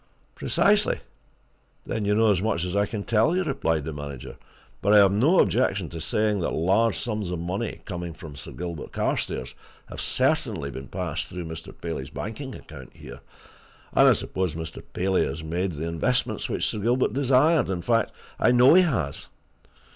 "Precisely! then you know as much as I can tell you," replied the manager. "But I have no objection to saying that large sums of money, coming from Sir Gilbert Carstairs, have certainly been passed through Mr. Paley's banking account here, and I suppose Mr. Paley has made the investments which Sir Gilbert desired in fact, I know he has.